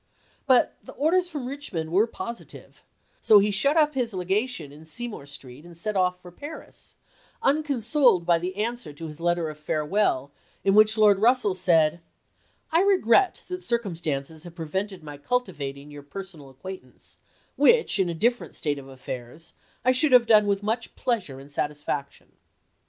But the orders from Richmond were positive; so he shut up his Legation in Seymour street and set out for Paris, unconsoled by the an swer to his letter of farewell, in which Lord Russell said :" I regret that circumstances have prevented my cultivating your personal acquaintance which, in a different state of affairs, I should have done with much pleasure and satisfaction."